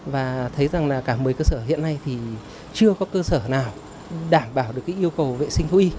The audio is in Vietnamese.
và thấy rằng cả một mươi cơ sở hiện nay thì chưa có cơ sở nào đảm bảo được yêu cầu vệ sinh thu y